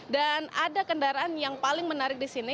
dan ada kendaraan yang paling menarik di sini